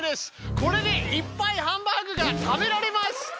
これでいっぱいハンバーグが食べられます！